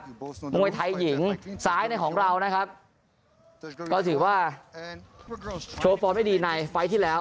มวยไทยหญิงซ้ายในของเรานะครับก็ถือว่าโชว์ฟอร์มให้ดีในไฟล์ที่แล้ว